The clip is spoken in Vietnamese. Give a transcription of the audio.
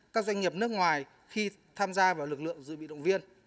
các doanh nghiệp nước ngoài khi tham gia vào lực lượng dự bị động viên